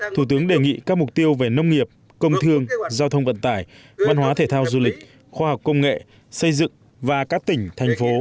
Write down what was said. thủ tướng lưu ý hiện có tồn tại lớn trong đầu tư xây dựng cơ bản